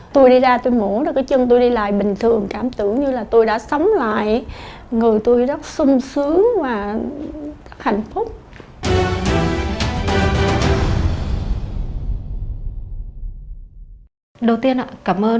tôi đi ra tôi ngủ được cái chân tôi đi lại bình thường cảm tưởng như là tôi đã sống lại người tôi rất sung sướng và hạnh phúc